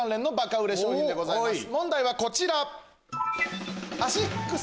問題はこちら。